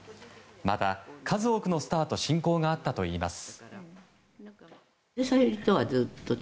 また、数多くのスターと親交があったといいます。